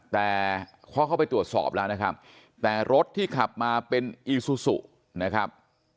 แต่เขาเข้าไปตรวจสอบแล้วนะครับแต่รถที่ขับมาเป็นอีซูซูนะครับ